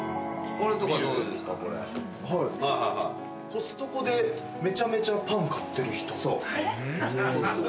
「コストコでめちゃめちゃパン買ってる人」